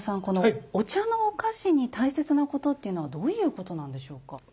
このお茶のお菓子に大切なことっていうのはどういうことなんでしょうか？